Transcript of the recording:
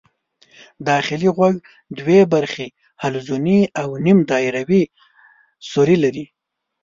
داخلي غوږ دوې برخې حلزوني او نیم دایروي سوري لري.